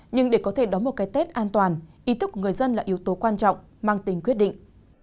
nhưng để có thể đón một cái tết an toàn ý thức của người dân là yếu tố quan trọng mang tính quyết định